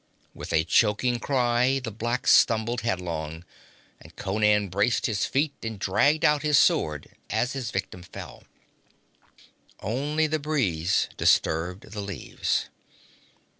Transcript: With a choking cry the black stumbled headlong, and Conan braced his feet and dragged out his sword as his victim fell. Only the breeze disturbed the leaves.